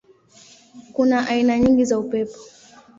Kuna aina nyingi za upepo.